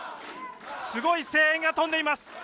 すごい声援が飛んでいます。